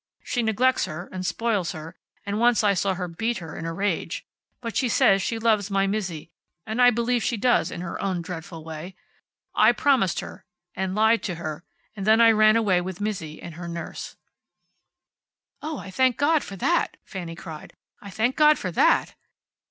She neglects her, and spoils her, and once I saw her beat her, in a rage. But she says she loves my Mizzi, and I believe she does, in her own dreadful way. I promised her, and lied to her, and then I ran away with Mizzi and her nurse." "Oh, I thank God for that!" Fanny cried. "I thank God for that!